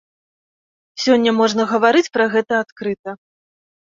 Сёння можна гаварыць пра гэта адкрыта.